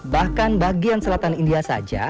bahkan bagian selatan india saja